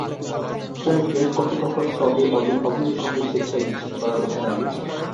Titas gas কর্তৃপক্ষ সবে অবৈধ সংযোগ স্বেচ্ছায় বিচ্ছিন্ন করার ঘোষণা দিয়েছে।